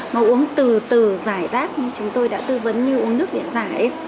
mà uống từ từ giải đáp như chúng tôi đã tư vấn như uống nước để giải